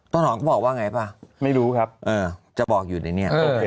หนองก็บอกว่าไงป่ะไม่รู้ครับเออจะบอกอยู่ในนี้